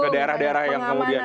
ke daerah daerah yang kemudian